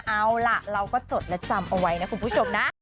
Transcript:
เอาล่ะเราก็จดและจำเอาไว้นะคุณผู้ชมนะ